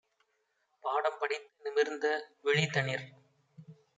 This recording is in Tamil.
பாடம் படித்து நிமிர்ந்தவிழி - தனிற்